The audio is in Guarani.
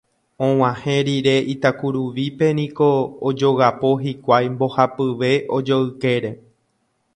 Og̃uahẽ rire Itakuruvípe niko ojogapo hikuái mbohapyve ojoykére.